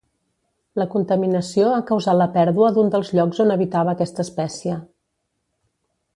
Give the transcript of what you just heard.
La contaminació ha causat la pèrdua d'un dels llocs on habitava aquesta espècie.